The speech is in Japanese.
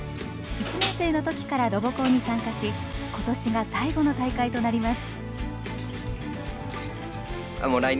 １年生のときから「ロボコン」に参加し今年が最後の大会となります。